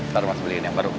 saru mas beliin yang baru